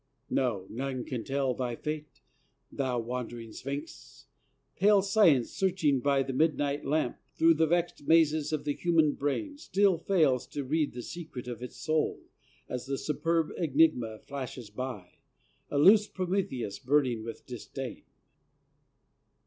No! none can tell thy fate, thou wandering Sphinx! Pale Science, searching by the midnight lamp Through the vexed mazes of the human brain, Still fails to read the secret of its soul As the superb enigma flashes by, A loosed Prometheus burning with disdain.